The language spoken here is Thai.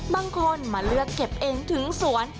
บางคนมาเลือกเก็บเองถึงสวน